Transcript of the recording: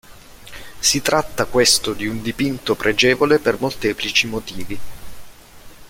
Si tratta questo di un dipinto pregevole per molteplici motivi.